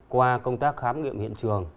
qua công tác khám nghiệm hiện trường